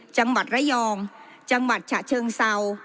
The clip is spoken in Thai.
จังหวัดระยองจังหวัดฉะเชิงเศร้า